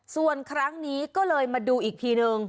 ส่วนครั้งนี้ก็เลยมาดูอีกทีนึง